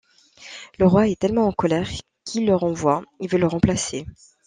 Le roi est tellement en colère qu'il le renvoie et veut le remplacer.